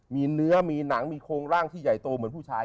มีเนื้อมีหนังมีโครงร่างที่ใหญ่โตเหมือนผู้ชาย